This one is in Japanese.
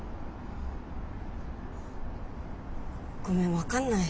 ごめん分かんない。